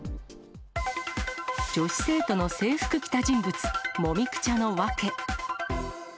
女子生徒の制服着た人物、もみくちゃのわけ。